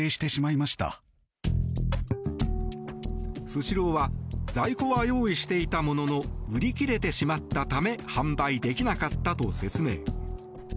スシローは在庫は用意していたものの売り切れてしまったため販売できなかったと説明。